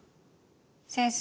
先生